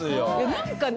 何か。